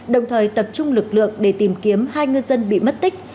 đồng thời tập trung lực lượng để tìm kiếm hai ngư dân bị mất tích